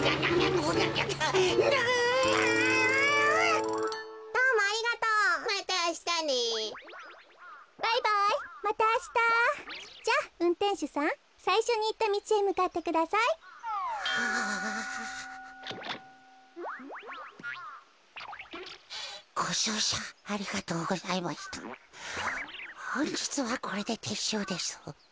ほんじつはこれでてっしゅうです。